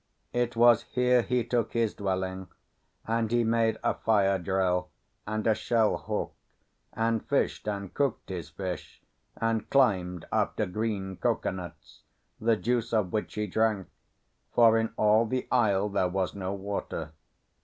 It was here he took his dwelling, and he made a fire drill, and a shell hook, and fished and cooked his fish, and climbed after green cocoanuts, the juice of which he drank, for in all the isle there was no water.